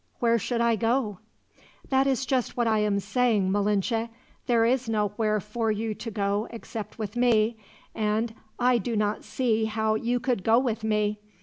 "Where should I go?" "That is just what I am saying, Malinche. There is nowhere for you to go except with me; and I do not see how you could go with me.